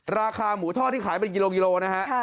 ราคาหมูทอดที่ขายเป็นกิโลกิโลนะฮะ